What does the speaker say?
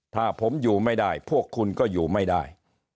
ถ้าผมอยู่ไม่ได้พวกคุณก็อยู่ไม่ได้